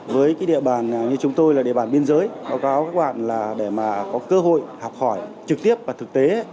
với cái địa bàn như chúng tôi là địa bàn biên giới báo cáo các bạn là để mà có cơ hội học hỏi trực tiếp và thực tế